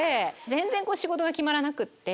全然仕事が決まらなくって。